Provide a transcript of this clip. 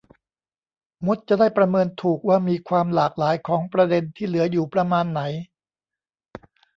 มดจะได้ประเมินถูกว่ามีความหลากหลายของประเด็นที่เหลืออยู่ประมาณไหน